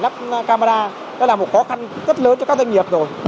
đó là một khó khăn rất lớn cho các doanh nghiệp rồi